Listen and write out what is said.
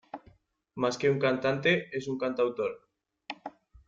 Más que un cantante, es un cantautor.